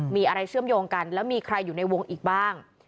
มีอะไรเชื่อมโยงกันแล้วมีใครอยู่ในวงอีกบ้าง